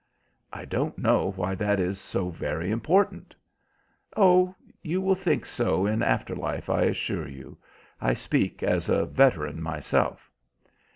"I don't know why that is so very important." "Oh, you will think so in after life, I assure you. I speak as a veteran myself."